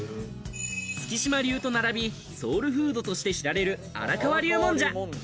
月島流と並びソウルフードとして知られる荒川流もんじゃ。